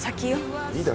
いいだろう？